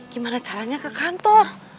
gimana caranya ke kantor